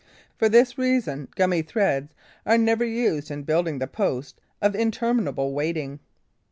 For this reason, gummy threads are never used in building the post of interminable waiting.